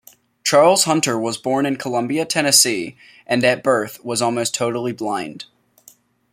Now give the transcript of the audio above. Charles Hunter was born in Columbia, Tennessee, and at birth was almost totally blind.